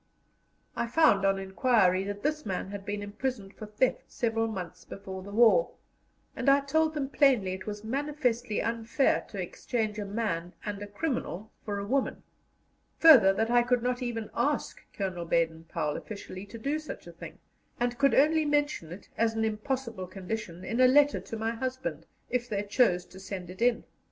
I found, on inquiry, that this man had been imprisoned for theft several months before the war, and I told them plainly it was manifestly unfair to exchange a man and a criminal for a woman; further, that I could not even ask Colonel Baden Powell officially to do such a thing, and could only mention it, as an impossible condition, in a letter to my husband, if they chose to send it in.